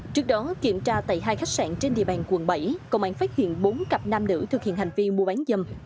trước đó kiểm tra tại hai khách sạn trên địa bàn quận bảy công an phát hiện bốn cặp nam nữ thực hiện hành vi mua bán dâm